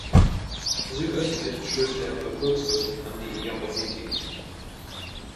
Südöstlich stößt der Gebirgsrücken an die Javorníky.